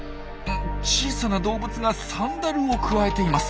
小さな動物がサンダルをくわえています。